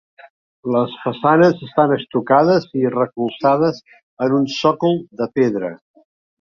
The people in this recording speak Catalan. Les façanes estan estucades i recolzades en un sòcol de pedra.